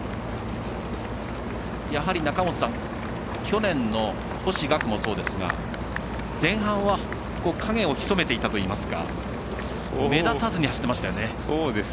やはり、去年の星岳もそうですが前半は影を潜めていたといいますか目立たずに走ってましたよね。